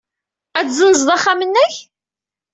Ad as-tessenzeḍ axxam-nnek?